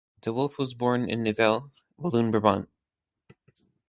De Wolf was born in Nivelles, Walloon Brabant.